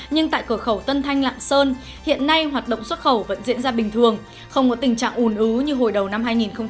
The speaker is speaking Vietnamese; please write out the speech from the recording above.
nhưng tại cửa khẩu tân thanh lạng sơn hiện nay hoạt động xuất khẩu vẫn diễn ra bình thường không có tình trạng ủn ứ như hồi đầu năm hai nghìn một mươi tám